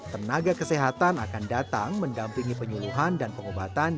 tenaga kesehatan akan datang mendampingi penyuluhan dan pengobatan